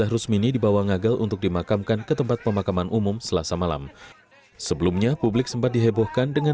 rusmini mengatakan bahwa jahiti alias rusmini tidak pernah diomeli